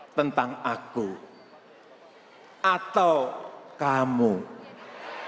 indonesia yang mampu menjaga mengamankan bangsa dan negara dalam dunia yang semakin mudah